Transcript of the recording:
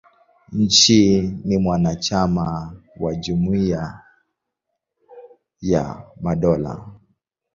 Nchi ni mwanachama wa Jumuia ya Madola.